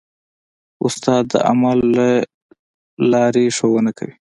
استاد د عمل له لارې ښوونه کوي.